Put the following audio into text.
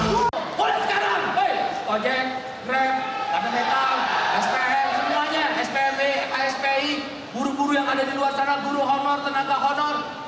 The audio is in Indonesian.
mulai sekarang ojek drep kami metal spm spp aspi buru buru yang ada di luar sana buru honor tenaga honor